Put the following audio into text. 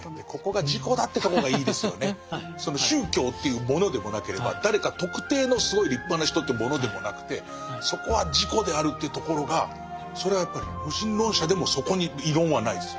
その宗教というものでもなければ誰か特定のすごい立派な人ってものでもなくてそこは自己であるというところがそれはやっぱり無神論者でもそこに異論はないです。